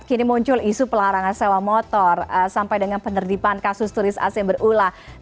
kini muncul isu pelarangan sewa motor sampai dengan penertiban kasus turis asing berulah